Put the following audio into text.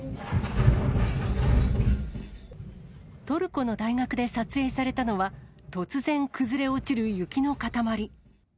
トルコの大学で撮影されたのは、突然、崩れ落ちる雪の塊。